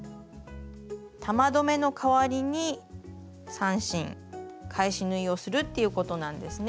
玉留めの代わりに３針返し縫いをするっていうことなんですね。